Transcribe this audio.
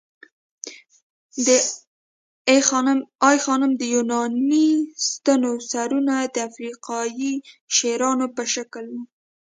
د آی خانم د یوناني ستونو سرونه د افریقايي شیرانو په شکل وو